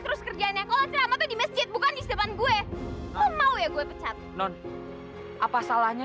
terus kerjanya kalau sama tadi mesjid bukan di depan gue mau ya gue pecat non apa salahnya